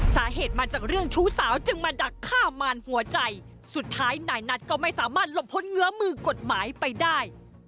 สาเหตุมาจากเรื่องชู้สาวจึงมาดักฆ่ามารหัวใจสุดท้ายนายนัทก็ไม่สามารถหลบพ้นเงื้อมือกฎหมายไปได้